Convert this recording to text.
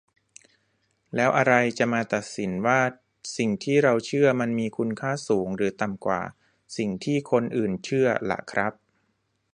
แล้วอะไรจะมาตัดสินว่า สิ่งที่เราเชื่อ มันมีคุณค่าสูงหรือต่ำกว่า สิ่งที่คนอื่นเชื่อ ล่ะครับ ?